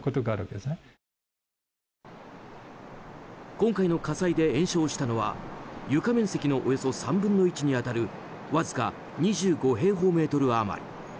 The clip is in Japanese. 今回の火災で延焼したのは床面積のおよそ３分の１に当たるわずか２５平方メートルあまり。